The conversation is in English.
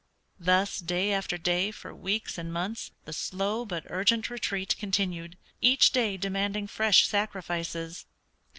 "Thus day after day, for weeks and months, the slow but urgent retreat continued, each day demanding fresh sacrifices.